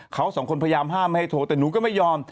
คนพยายามห้ามให้โทรแต่หนูก็ไม่ยอม